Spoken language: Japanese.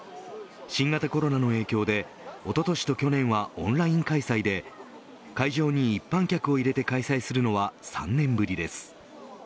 新型コロナの影響でおととしと去年はオンライン開催で会場に一般客を入れて開催するのは３年ぶりです。